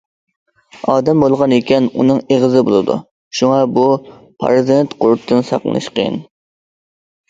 ئادەم بولغان ئىكەن، ئۇنىڭ ئېغىزى بولىدۇ، شۇڭا بۇ پارازىت قۇرتتىن ساقلىنىش قىيىن.